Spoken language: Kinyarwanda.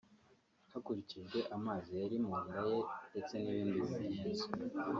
hakurikijwe amazi yari mu nda ye ndetse n’ibindi bimenyetso